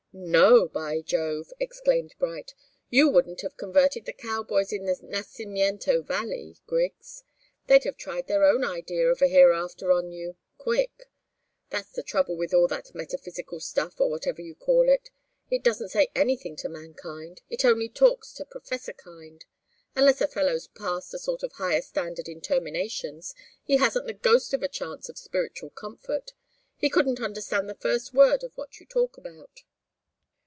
"No by Jove!" exclaimed Bright. "You wouldn't have converted the cowboys in the Nacimiento Valley, Griggs. They'd have tried their own idea of a hereafter on you quick. That's the trouble with all that metaphysical stuff, or whatever you call it it doesn't say anything to mankind it only talks to professorkind. Unless a fellow's passed a sort of higher standard in terminations, he hasn't the ghost of a chance of spiritual comfort. He couldn't understand the first word of what you talk about."